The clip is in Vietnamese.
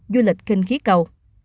du lịch kinh khí cầu